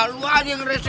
lo aja yang rese